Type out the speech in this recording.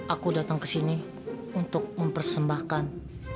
aku datang kesini untuk mempersembahkan